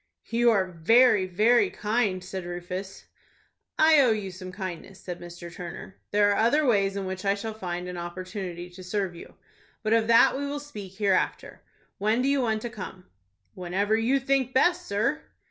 "You are very, very kind," said Rufus. "I owe you some kindness," said Mr. Turner. "There are other ways in which I shall find an opportunity to serve you. But of that we will speak here after. When do you want to come?" "Whenever you think best, sir."